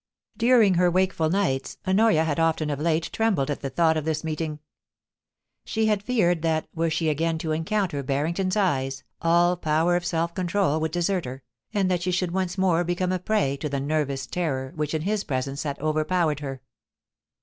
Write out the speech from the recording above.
During her wakeful nights, Honoria had often of late trembled at the thought of this meeting. She had feared that, were she again to encounter Barrington's eyes, all power of self control would desert her, and that she should once more become a prey to the nervous terror which in his presence had overpowered her.